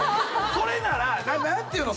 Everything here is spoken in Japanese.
それなら何ていうの？